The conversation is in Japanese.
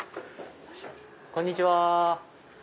こんにちは。